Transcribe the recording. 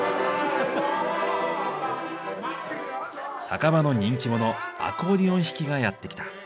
酒場の人気者アコーディオン弾きがやって来た。